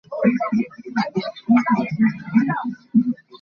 She is a certified scuba diver.